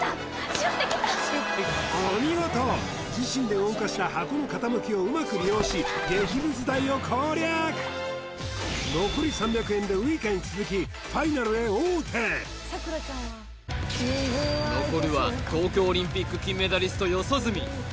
お見事自身で動かした箱の傾きをうまく利用し激ムズ台を攻略ウイカに続き残るは東京オリンピック金メダリスト四十住